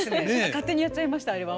勝手にやっちゃいましたあれは。